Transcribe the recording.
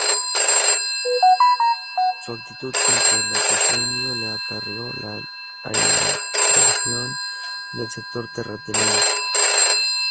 Su actitud contra el latifundio le acarreó la animadversión del sector terrateniente.